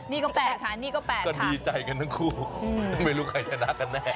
นี่ก็แปลกค่ะนี่ก็แปลกก็ดีใจกันทั้งคู่ไม่รู้ใครชนะกันแน่